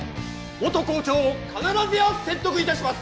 元校長を必ずや説得いたします